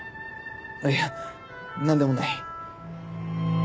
いやなんでもない。